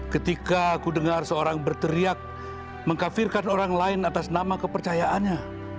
ketika aku dengar seorang berteriak mengkafirkan orang lain atas nama kepercayaannya